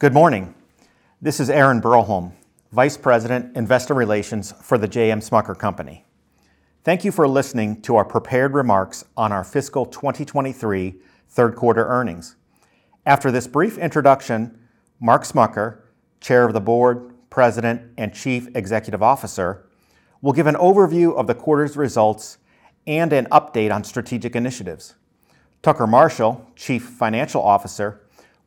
Good morning. This is Aaron Elholzer, Vice President, Investor Relations for The J. M. Smucker Company. Thank you for listening to our prepared remarks on our fiscal 2023 third quarter earnings. After this brief introduction, Mark Smucker, Chair of the Board, President and Chief Executive Officer, will give an overview of the quarters results and an update on strategic initiatives. Tucker Marshall, Chief Financial Officer,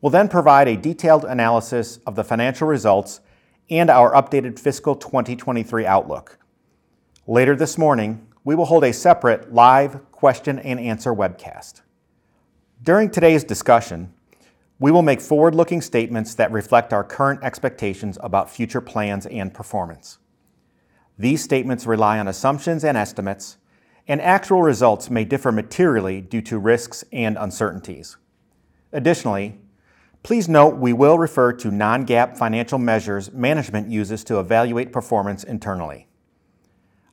will then provide a detailed analysis of the financial results and our updated fiscal 2023 outlook. Later this morning, we will hold a separate live question and answer webcast. During today's discussion, we will make forward-looking statements that reflect our current expectations about future plans and performance. These statements rely on assumptions and estimates, and actual results may differ materially due to risks and uncertainties. Additionally, please note we will refer to non-GAAP financial measures management uses to evaluate performance internally.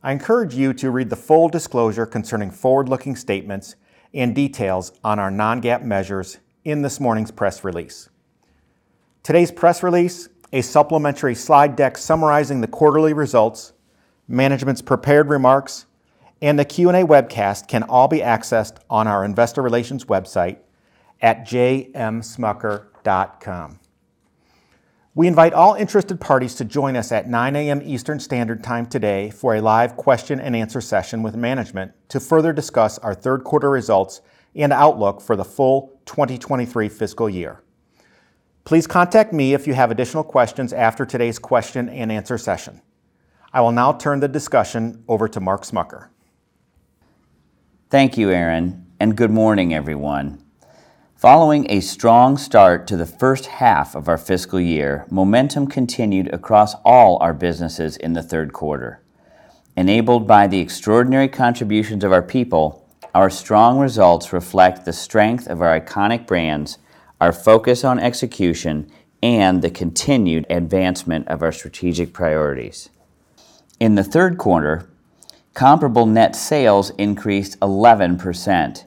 I encourage you to read the full disclosure concerning forward-looking statements and details on our non-GAAP measures in this morning's press release. Today's press release, a supplementary slide deck summarizing the quarterly results, management's prepared remarks, and the Q&A webcast can all be accessed on our investor relations website at jmsmucker.com. We invite all interested parties to join us at 9:00 A.M. Eastern Standard Time today for a live question and answer session with management to further discuss our third quarter results and outlook for the full 2023 fiscal year. Please contact me if you have additional questions after today's question and answer session. I will now turn the discussion over to Mark Smucker. Thank you, Aaron, and good morning, everyone. Following a strong start to the first half of our fiscal year, momentum continued across all our businesses in the third quarter. Enabled by the extraordinary contributions of our people, our strong results reflect the strength of our iconic brands, our focus on execution, and the continued advancement of our strategic priorities. In the third quarter, comparable net sales increased 11%.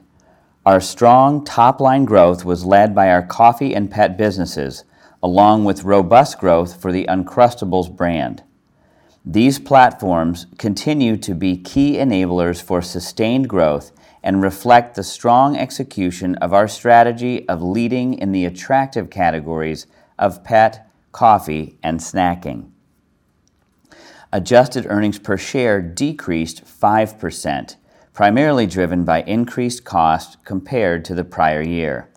Our strong top-line growth was led by our coffee and pet businesses, along with robust growth for the Uncrustables brand. These platforms continue to be key enablers for sustained growth and reflect the strong execution of our strategy of leading in the attractive categories of pet, coffee, and snacking. Adjusted earnings per share decreased 5%, primarily driven by increased cost compared to the prior year.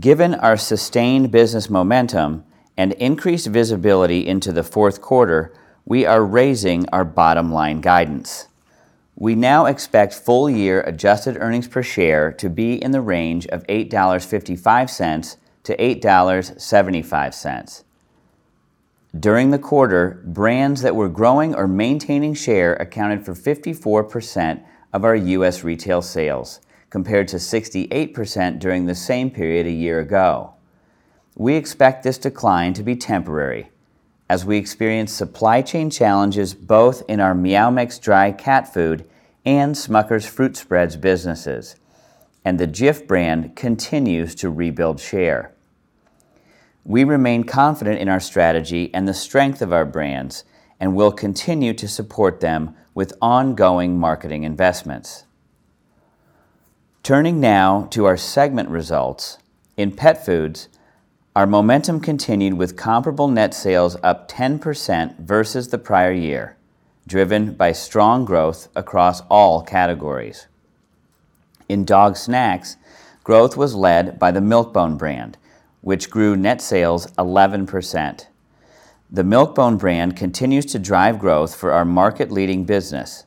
Given our sustained business momentum and increased visibility into the fourth quarter, we are raising our bottom line guidance. We now expect full year adjusted earnings per share to be in the range of $8.55-$8.75. During the 1/4, brands that were growing or maintaining share accounted for 54% of our U.S. retail sales, compared to 68% during the same period a year ago. We expect this decline to be temporary as we experience supply chain challenges both in our Meow Mix dry cat food and Smucker's fruit spreads businesses, and the Jif brand continues to rebuild share. We remain confident in our strategy and the strength of our brands and will continue to support them with ongoing marketing investments. Turning now to our segment results. In pet foods, our momentum continued with comparable net sales up 10% versus the prior year, driven by strong growth across all categories. In dog snacks, growth was led by the Milk-Bone brand, which grew net sales 11%. The Milk-Bone brand continues to drive growth for our market-leading business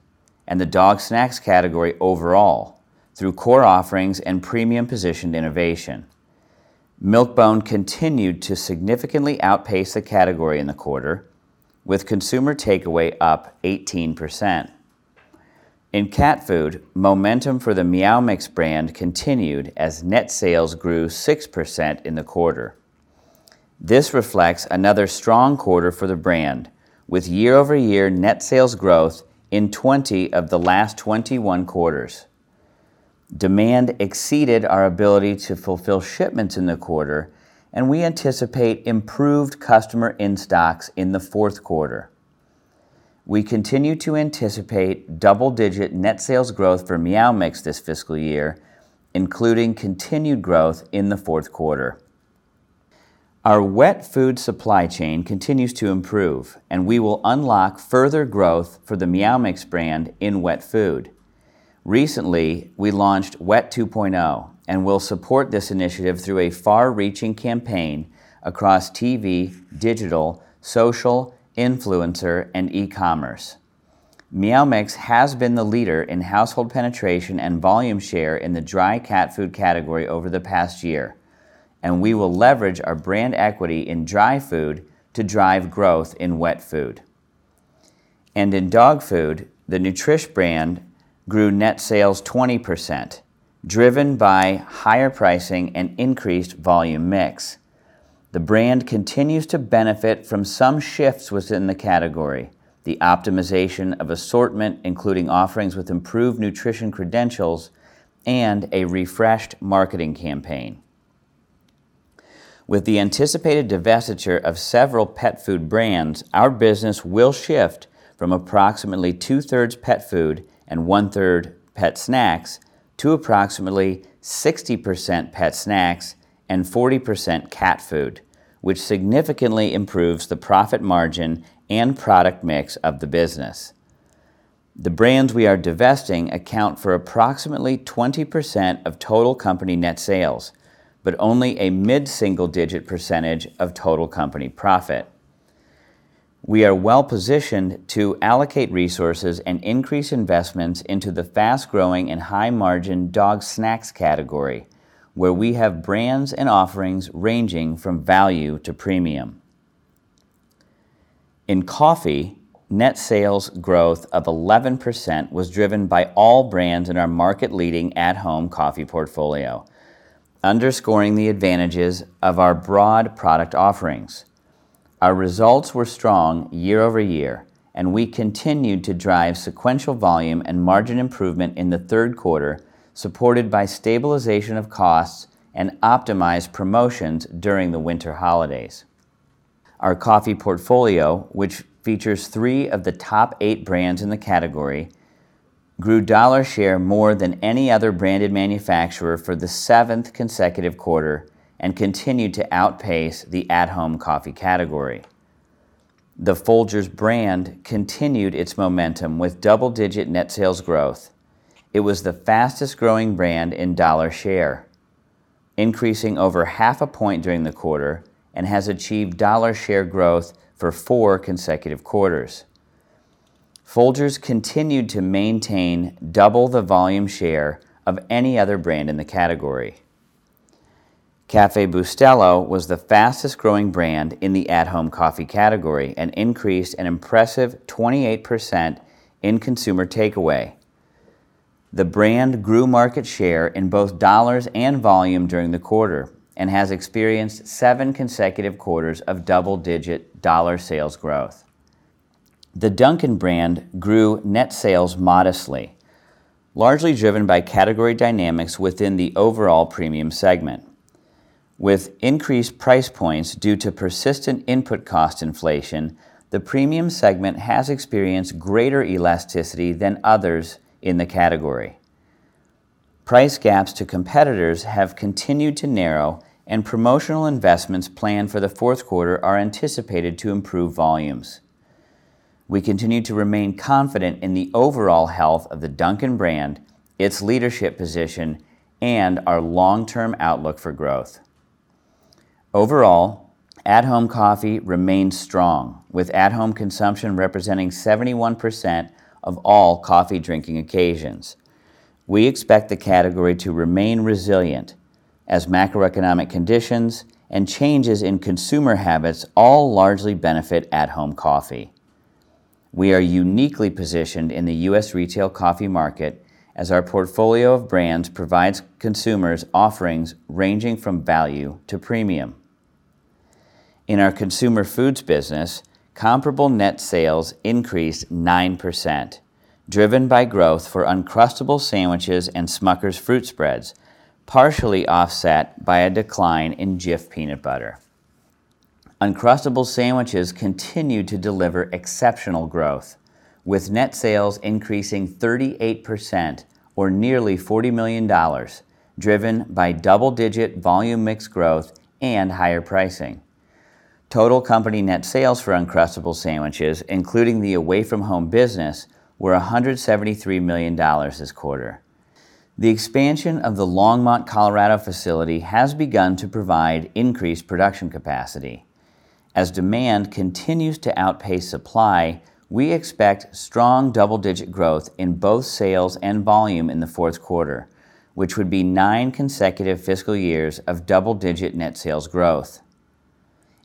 and the dog snacks category overall through core offerings and premium-positioned innovation. Milk-Bone continued to significantly outpace the category in the 1/4, with consumer takeaway up 18%. In cat food, momentum for the Meow Mix brand continued as net sales grew 6% in the 1/4. This reflects another strong 1/4 for the brand, with year-over-year net sales growth in 20 of the last 21 quarters. Demand exceeded our ability to fulfill shipments in the 1/4, and we anticipate improved customer in-stocks in the fourth 1/4. We continue to anticipate double-digit net sales growth for Meow Mix this fiscal year, including continued growth in the fourth 1/4. Our wet food supply chain continues to improve, we will unlock further growth for the Meow Mix brand in wet food. Recently, we launched Wet 2.0, and we'll support this initiative through a far-reaching campaign across TV, digital, social, influencer, and e-commerce. Meow Mix has been the leader in household penetration and volume share in the dry cat food category over the past year, we will leverage our brand equity in dry food to drive growth in wet food. In dog food, the Nutrish brand grew net sales 20%, driven by higher pricing and increased volume mix. The brand continues to benefit from some shifts within the category, the optimization of assortment, including offerings with improved nutrition credentials, and a refreshed marketing campaign. With the anticipated divestiture of several pet food brands, our business will shift from approximately 2/3 pet food and 1/3 pet snacks to approximately 60% pet snacks and 40% cat food, which significantly improves the profit margin and product mix of the business. The brands we are divesting account for approximately 20% of total company net sales, but only a mid-single digit % of total company profit. We are well-positioned to allocate resources and increase investments into the fast-growing and high-margin dog snacks category, where we have brands and offerings ranging from value to premium. In coffee, net sales growth of 11% was driven by all brands in our market-leading at-home coffee portfolio, underscoring the advantages of our broad product offerings. Our results were strong year-over-year, we continued to drive sequential volume and margin improvement in the third quarter, supported by stabilization of costs and optimized promotions during the winter holidays. Our coffee portfolio, which features 3 of the top eight brands in the category, grew dollar share more than any other branded manufacturer for the seventh consecutive 1/4 and continued to outpace the at-home coffee category. The Folgers brand continued its momentum with Double-Digit net sales growth. It was the Fastest-Growing brand in dollar share, increasing over 1/2 a point during the 1/4 and has achieved dollar share growth for 4 consecutive quarters. Folgers continued to maintain double the volume share of any other brand in the category. Café Bustelo was the fastest-growing brand in the At-Home coffee category and increased an impressive 28% in consumer takeaway. The brand grew market share in both dollars and volume during the 1/4 and has experienced 7 consecutive quarters of Double-Digit dollar sales growth. The Dunkin' brand grew net sales modestly, largely driven by category dynamics within the overall premium segment. With increased price points due to persistent input cost inflation, the premium segment has experienced greater elasticity than others in the category. Price gaps to competitors have continued to narrow, and promotional investments planned for the fourth 1/4 are anticipated to improve volumes. We continue to remain confident in the overall health of the Dunkin' brand, its leadership position, and our long-term outlook for growth. Overall, At-Home coffee remains strong, with at-home consumption representing 71% of all coffee drinking occasions. We expect the category to remain resilient as macroeconomic conditions and changes in consumer habits all largely benefit at-home coffee. We are uniquely positioned in the U.S. Retail Coffee market as our portfolio of brands provides consumers offerings ranging from value to premium. In our U.S. Retail Consumer Foods business, comparable net sales increased 9%, driven by growth for Uncrustables sandwiches and Smucker's fruit spreads, partially offset by a decline in Jif Peanut Butter. Uncrustables sandwiches continue to deliver exceptional growth, with net sales increasing 38% or nearly $40 million driven by Double-Digit volume mix growth and higher pricing. Total company net sales for Uncrustables sandwiches, including the Away From Home business, were $173 million this 1/4. The expansion of the Longmont, Colorado facility has begun to provide increased production capacity. As demand continues to outpace supply, we expect strong Double-Digit growth in both sales and volume in the fourth 1/4, which would be 9 consecutive fiscal years of Double-Digit net sales growth.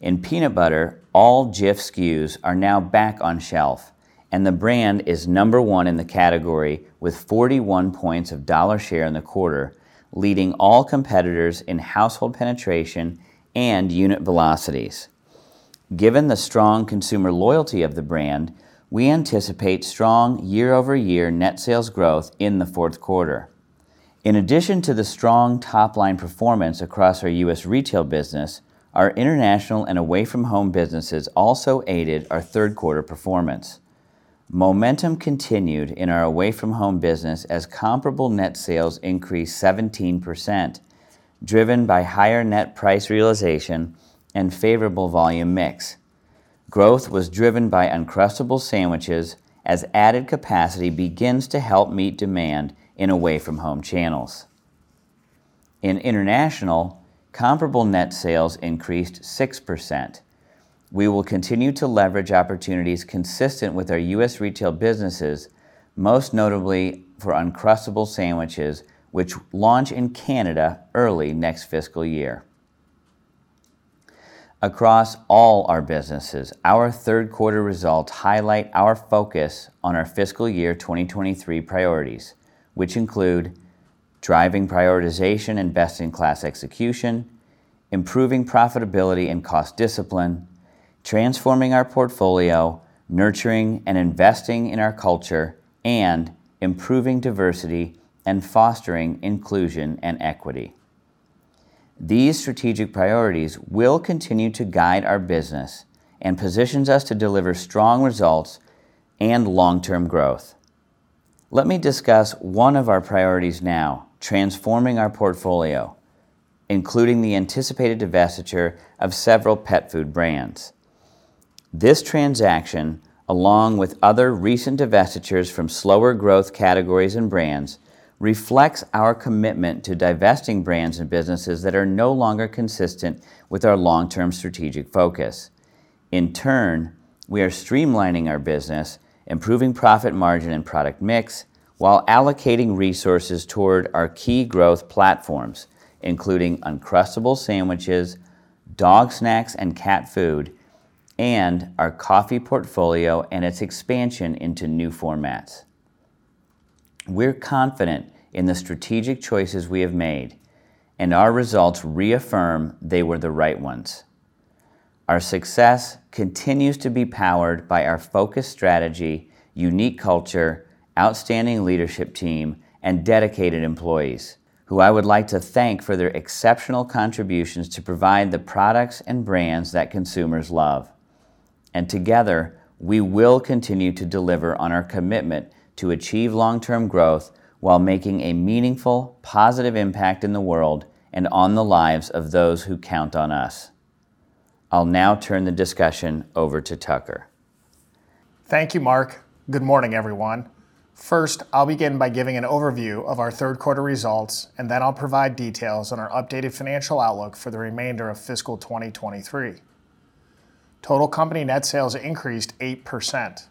In peanut butter, all Jif SKUs are now back on shelf, and the brand is number 1 in the category with 41 points of dollar share in the 1/4, leading all competitors in household penetration and unit velocities. Given the strong consumer loyalty of the brand, we anticipate strong Year-Over-Year net sales growth in the fourth 1/4. In addition to the strong top-line performance across our U.S. Retail business, our International and Away From Home businesses also aided our third quarter performance. Momentum continued in our Away From Home business as comparable net sales increased 17%, driven by higher net price realization and favorable volume mix. Growth was driven by Uncrustables sandwiches as added capacity begins to help meet demand in Away From Home channels. In International, comparable net sales increased 6%. We will continue to leverage opportunities consistent with our U.S. retail businesses, most notably for Uncrustable sandwiches, which launch in Canada early next fiscal year. Across all our businesses, our third quarter results highlight our focus on our fiscal year 2023 priorities, which include Driving prioritization and Best-In-Class execution, improving profitability and cost discipline, transforming our portfolio, nurturing and investing in our culture, and improving diversity and fostering inclusion and equity. These strategic priorities will continue to guide our business and positions us to deliver strong results and long-term growth. Let me discuss 1 of our priorities now, transforming our portfolio, including the anticipated divestiture of several pet food brands. This transaction, along with other recent divestitures from slower growth categories and brands, reflects our commitment to divesting brands and businesses that are no longer consistent with our long-term strategic focus. In turn, we are streamlining our business, improving profit margin and product mix, while allocating resources toward our key growth platforms, including Uncrustable sandwiches, dog snacks and cat food, and our coffee portfolio and its expansion into new formats. We're confident in the strategic choices we have made, and our results reaffirm they were the right ones. Our success continues to be powered by our focused strategy, unique culture, outstanding leadership team, and dedicated employees, who I would like to thank for their exceptional contributions to provide the products and brands that consumers love. Together, we will continue to deliver on our commitment to achieve long-term growth while making a meaningful, positive impact in the world and on the lives of those who count on us. I'll now turn the discussion over to Tucker. Thank you, Mark. Good morning, everyone. First, I'll begin by giving an overview of our third quarter results. I'll provide details on our updated financial outlook for the remainder of fiscal 2023. Total company net sales increased 8%.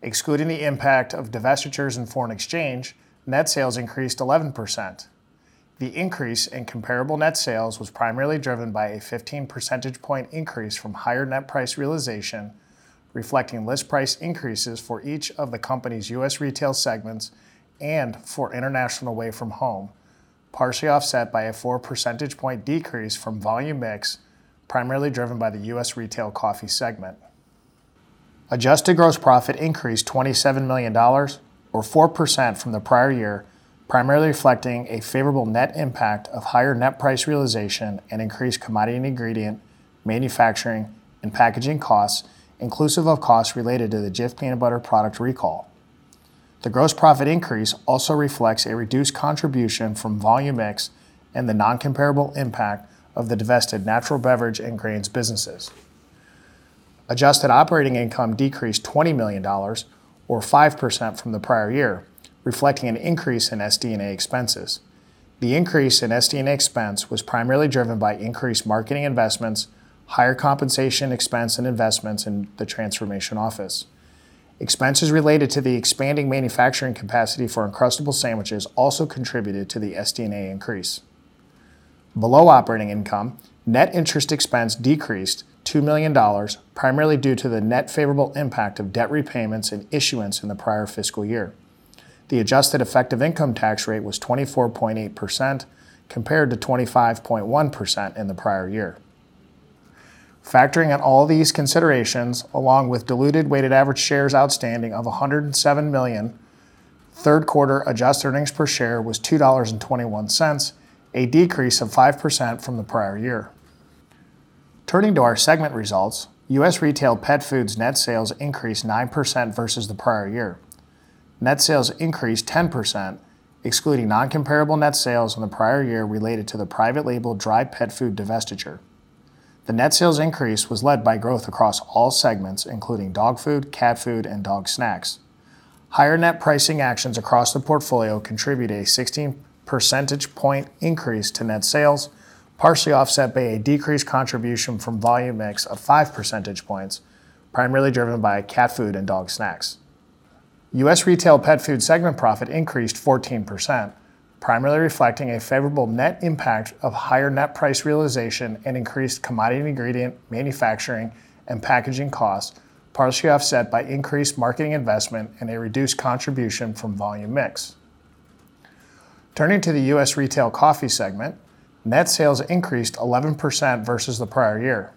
Excluding the impact of divestitures and foreign exchange, net sales increased 11%. The increase in comparable net sales was primarily driven by a 15 percentage point increase from higher net price realization, reflecting list price increases for each of the company's U.S. retail segments and for International and Away From Home, partially offset by a 4 percentage point decrease from volume mix, primarily driven by the U.S. Retail Coffee segment. Adjusted gross profit increased $27 million or 4% from the prior year, primarily reflecting a favorable net impact of higher net price realization and increased commodity and ingredient manufacturing and packaging costs, inclusive of costs related to the Jif Peanut Butter product recall. The gross profit increase also reflects a reduced contribution from volume mix and the non-comparable impact of the divested natural beverage ingredients businesses. Adjusted operating income decreased $20 million or 5% from the prior year, reflecting an increase in SD&A expenses. The increase in SD&A expense was primarily driven by increased marketing investments, higher compensation expense and investments in the Transformation Office. Expenses related to the expanding manufacturing capacity for Uncrustables sandwiches also contributed to the SD&A increase. Below operating income, net interest expense decreased $2 million primarily due to the net favorable impact of debt repayments and issuance in the prior fiscal year. The adjusted effective income tax rate was 24.8% compared to 25.1% in the prior year. Factoring in all these considerations, along with diluted weighted average shares outstanding of 107 million, third quarter adjusted earnings per share was $2.21, a decrease of 5% from the prior year. Turning to our segment results, U.S. Retail Pet Foods' net sales increased 9% versus the prior year. Net sales increased 10%, excluding Non-Comparable net sales in the prior year related to the private label dry pet food divestiture. The net sales increase was led by growth across all segments, including dog food, cat food, and dog snacks. Higher net pricing actions across the portfolio contributed a 16 percentage point increase to net sales, partially offset by a decreased contribution from volume mix of 5 percentage points, primarily driven by cat food and dog snacks. U.S. Retail Pet Foods segment profit increased 14%, primarily reflecting a favorable net impact of higher net price realization and increased commodity and ingredient manufacturing and packaging costs, partially offset by increased marketing investment and a reduced contribution from volume mix. Turning to the U.S. Retail Coffee segment, net sales increased 11% versus the prior year.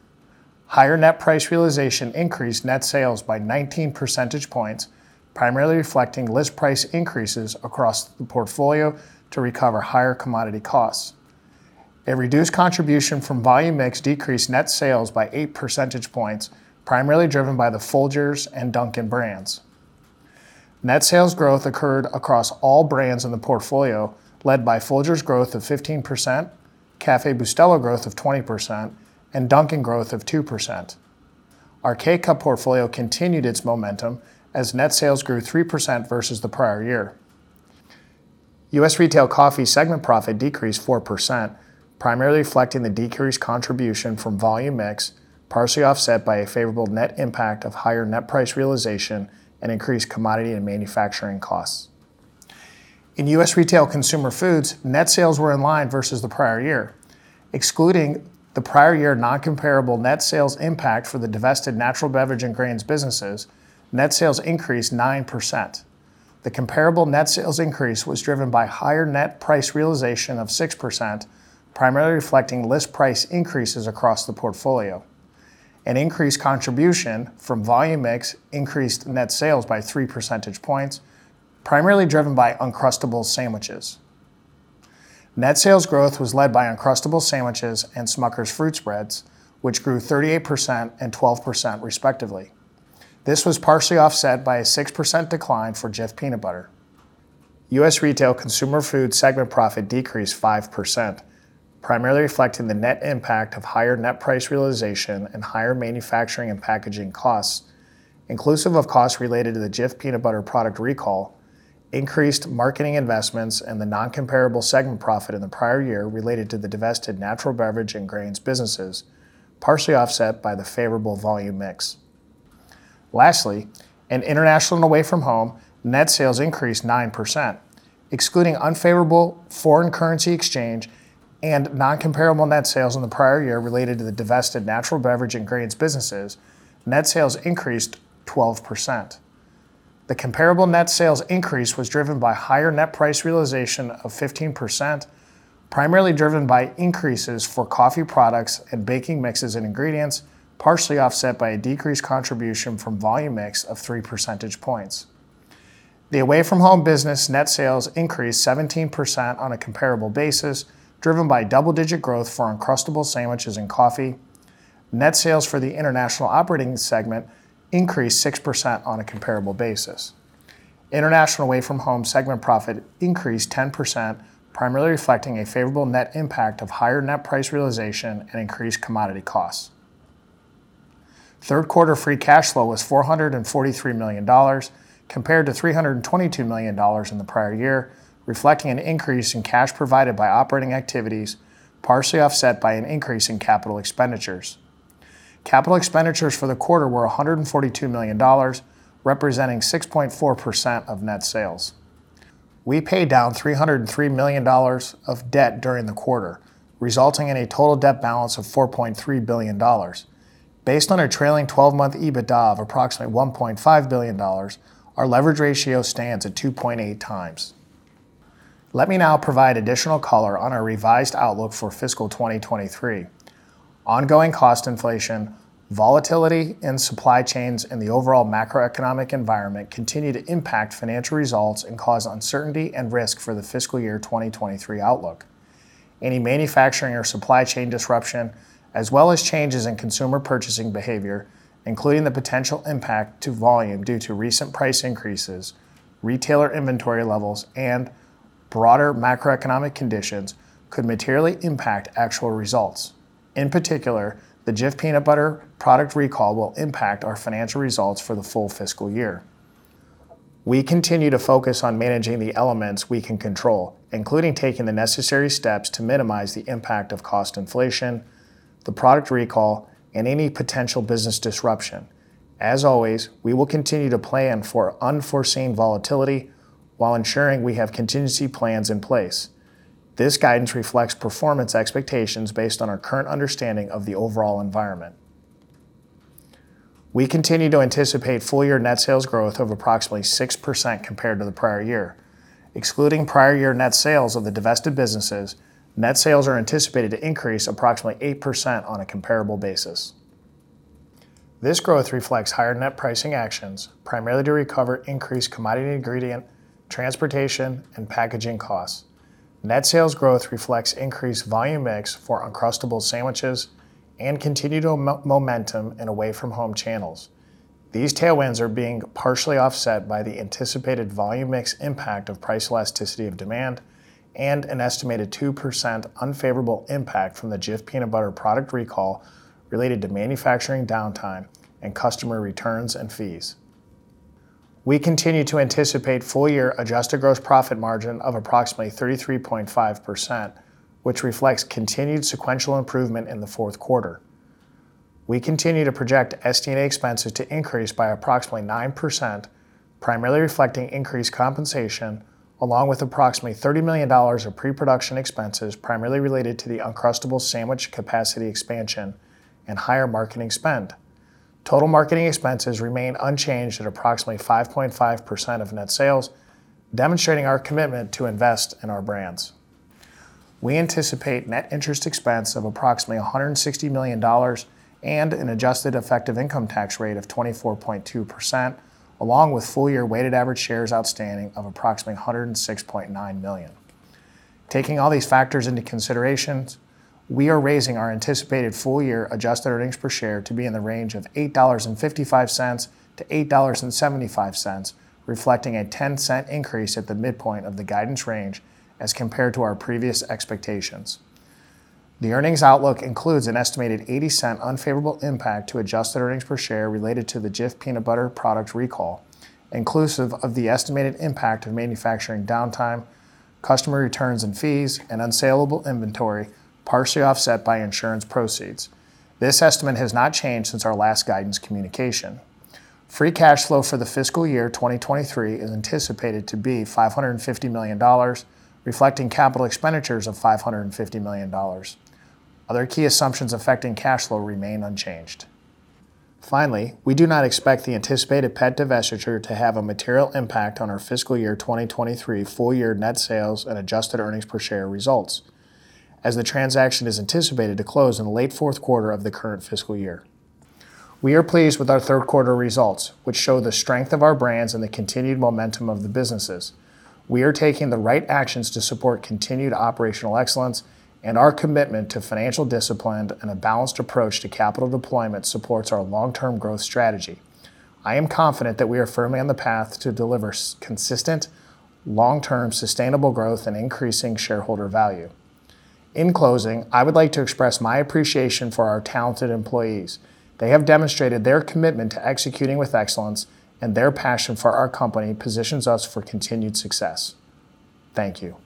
Higher net price realization increased net sales by 19 percentage points, primarily reflecting list price increases across the portfolio to recover higher commodity costs. A reduced contribution from volume mix decreased net sales by 8 percentage points, primarily driven by the Folgers and Dunkin' brands. Net sales growth occurred across all brands in the portfolio, led by Folgers growth of 15%, Café Bustelo growth of 20%, and Dunkin' growth of 2%. Our K-Cup portfolio continued its momentum as net sales grew 3% versus the prior year. U.S. Retail Coffee segment profit decreased 4%, primarily reflecting the decreased contribution from volume mix, partially offset by a favorable net impact of higher net price realization and increased commodity and manufacturing costs. In U.S. Retail Consumer Foods, net sales were in line versus the prior year. Excluding the prior year non-comparable net sales impact for the divested natural beverage and grains businesses, net sales increased 9%. The comparable net sales increase was driven by higher net price realization of 6%, primarily reflecting list price increases across the portfolio. An increased contribution from volume mix increased net sales by 3 percentage points, primarily driven by Uncrustables sandwiches. Net sales growth was led by Uncrustables sandwiches and Smucker's fruit spreads, which grew 38% and 12% respectively. This was partially offset by a 6% decline for Jif Peanut Butter. U.S. Retail Consumer Foods segment profit decreased 5%, primarily reflecting the net impact of higher net price realization and higher manufacturing and packaging costs, inclusive of costs related to the Jif Peanut Butter product recall, increased marketing investments, and the Non-Comparable segment profit in the prior year related to the divested natural beverage and grains businesses, partially offset by the favorable volume mix. In International and Away From Home, net sales increased 9%. Excluding unfavorable foreign currency exchange and non-comparable net sales in the prior year related to the divested natural beverage and grains businesses, net sales increased 12%. The comparable net sales increase was driven by higher net price realization of 15%, primarily driven by increases for coffee products and baking mixes and ingredients, partially offset by a decreased contribution from volume mix of 3 percentage points. The Away From Home business net sales increased 17% on a comparable basis, driven by Double-Digit growth for Uncrustable sandwiches and coffee. Net sales for the international operating segment increased 6% on a comparable basis. International and Away From Home segment profit increased 10%, primarily reflecting a favorable net impact of higher net price realization and increased commodity costs. 1/3-1/4 free cash flow was $443 million, compared to $322 million in the prior year, reflecting an increase in cash provided by operating activities, partially offset by an increase in capital expenditures. Capital expenditures for the 1/4 were $142 million, representing 6.4% of net sales. We paid down $303 million of debt during the 1/4, resulting in a total debt balance of $4.3 billion. Based on our trailing 12-month EBITDA of approximately $1.5 billion, our leverage ratio stands at 2.8 times. Let me now provide additional color on our revised outlook for fiscal 2023. Ongoing cost inflation, volatility in supply chains, and the overall macroeconomic environment continue to impact financial results and cause uncertainty and risk for the fiscal year 2023 outlook. Any manufacturing or supply chain disruption, as well as changes in consumer purchasing behavior, including the potential impact to volume due to recent price increases, retailer inventory levels, and broader macroeconomic conditions, could materially impact actual results. In particular, the Jif Peanut Butter product recall will impact our financial results for the full fiscal year. We continue to focus on managing the elements we can control, including taking the necessary steps to minimize the impact of cost inflation, the product recall, and any potential business disruption. As always, we will continue to plan for unforeseen volatility while ensuring we have contingency plans in place. This guidance reflects performance expectations based on our current understanding of the overall environment. We continue to anticipate full-year net sales growth of approximately 6% compared to the prior year. Excluding prior year net sales of the divested businesses, net sales are anticipated to increase approximately 8% on a comparable basis. This growth reflects higher net pricing actions, primarily to recover increased commodity ingredient, transportation, and packaging costs. Net sales growth reflects increased volume mix for Uncrustables sandwiches and continued momentum in Away From Home channels. These tailwinds are being partially offset by the anticipated volume mix impact of price elasticity of demand and an estimated 2% unfavorable impact from the Jif Peanut Butter product recall related to manufacturing downtime and customer returns and fees. We continue to anticipate full-year adjusted gross profit margin of approximately 33.5%, which reflects continued sequential improvement in the fourth 1/4. We continue to project SD&A expenses to increase by approximately 9%, primarily reflecting increased compensation, along with approximately $30 million of pre-production expenses primarily related to the Uncrustable sandwich capacity expansion and higher marketing spend. Total marketing expenses remain unchanged at approximately 5.5% of net sales, demonstrating our commitment to invest in our brands. We anticipate net interest expense of approximately $160 million and an adjusted effective income tax rate of 24.2%, along with full-year weighted average shares outstanding of approximately 106.9 million. Taking all these factors into considerations, we are raising our anticipated full-year adjusted earnings per share to be in the range of $8.55 to $8.75, reflecting a $0.10 increase at the midpoint of the guidance range as compared to our previous expectations. The earnings outlook includes an estimated $0.80 unfavorable impact to adjusted earnings per share related to the Jif Peanut Butter product recall, inclusive of the estimated impact of manufacturing downtime, customer returns and fees, and unsalable inventory, partially offset by insurance proceeds. This estimate has not changed since our last guidance communication. Free cash flow for the fiscal year 2023 is anticipated to be $550 million, reflecting capital expenditures of $550 million. Other key assumptions affecting cash flow remain unchanged. Finally, we do not expect the anticipated pet divestiture to have a material impact on our fiscal year 2023 full year net sales and adjusted earnings per share results, as the transaction is anticipated to close in the late fourth 1/4 of the current fiscal year. We are pleased with our third quarter results, which show the strength of our brands and the continued momentum of the businesses. We are taking the right actions to support continued operational excellence, and our commitment to financial discipline and a balanced approach to capital deployment supports our Long-Term growth strategy. I am confident that we are firmly on the path to deliver consistent, long-term, sustainable growth and increasing shareholder value. In closing, I would like to express my appreciation for our talented employees. They have demonstrated their commitment to executing with excellence, and their passion for our company positions us for continued success. Thank you.